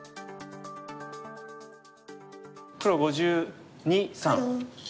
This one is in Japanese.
黒５２５３。